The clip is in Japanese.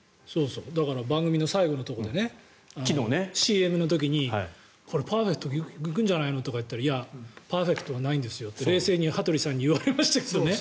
だから番組の最後のところでＣＭの時に、これパーフェクト行くんじゃないのとか言ったらパーフェクトはないんですよって冷静に羽鳥さんに言われましたけどね。